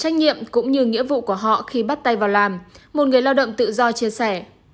trách nhiệm cũng như nghĩa vụ của họ khi bắt tay vào làm một người lao động tự do chia sẻ